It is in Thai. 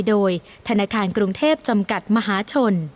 โดยธนาคารกรุงเทพจำกัดมหาชน